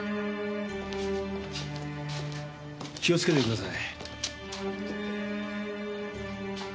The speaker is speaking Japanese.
気をつけてください。